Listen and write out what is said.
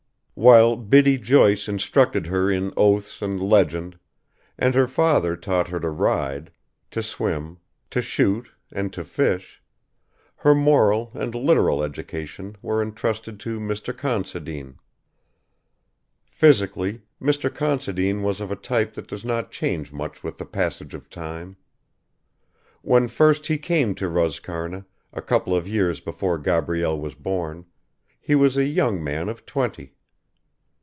While Biddy Joyce instructed her in oaths and legend, and her father taught her to ride, to swim, to shoot and to fish, her moral and literal education were entrusted to Mr. Considine. Physically Mr. Considine was of a type that does not change much with the passage of time. When first he came to Roscarna, a couple of years before Gabrielle was born, he was a young man of twenty.